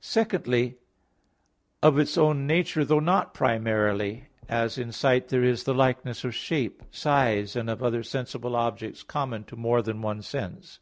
Secondly, of its own nature, though not primarily; as in sight there is the likeness of shape, size, and of other sensible objects common to more than one sense.